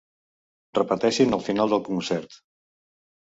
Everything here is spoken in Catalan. Repeteixin al final del concert.